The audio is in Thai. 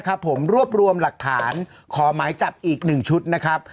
ครับผมรวบรวมหลักฐานขอหมายจับอีกหนึ่งชุดนะครับ